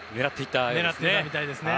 狙っていたみたいですね。